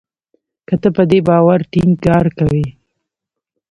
که ته په دې باور ټینګار کوې